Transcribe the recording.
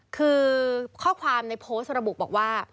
คือข้อความในโพสต์ระบุบอกว่า